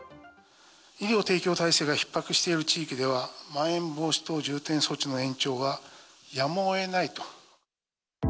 医療提供体制がひっ迫している地域では、まん延防止等重点措置の延長はやむをえないと。